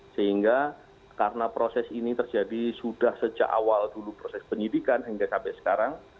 sehingga karena proses ini terjadi sudah sejak awal dulu proses penyidikan hingga sampai sekarang